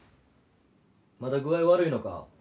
まだ具合悪いのか？